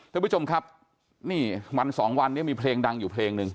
ท่านผู้ชมครับนี่วันสองวันนี้มีเพลงดังอยู่เพลงหนึ่ง